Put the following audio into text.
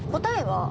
答えは。